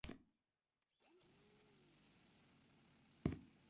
منحله شوه.